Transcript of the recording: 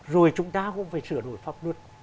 rồi chúng ta cũng phải sửa đổi pháp luật